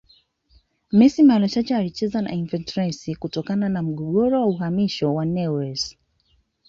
Messi mara chache alicheza na Infantiles kutokana na mgogoro wa uhamisho wa Newells